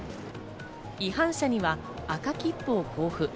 違反者には赤切符を交付。